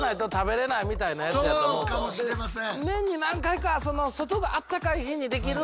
そうかもしれません。